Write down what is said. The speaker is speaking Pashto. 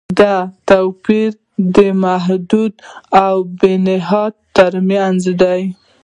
دا توپیر د محدود او بې نهایت تر منځ دی.